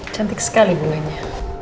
cantik sekali bunganya